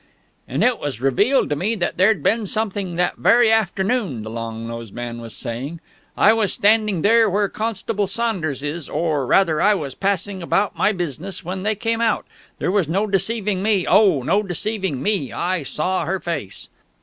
"... and it was revealed to me that there'd been something that very afternoon," the long nosed man was saying. "I was standing there, where Constable Saunders is or rather, I was passing about my business, when they came out. There was no deceiving me, oh, no deceiving me! I saw her face...."